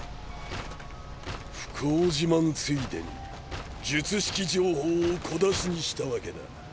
不幸自慢ついでに術式情報を小出しにしたわけだ。